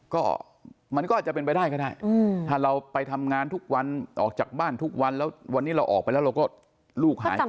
ก็มันก็อาจจะเป็นไปได้ก็ได้ถ้าเราไปทำงานทุกวันออกจากบ้านทุกวันแล้ววันนี้เราออกไปแล้วเราก็ลูกหายไป